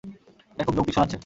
এটা খুব যৌক্তিক শোনাচ্ছে।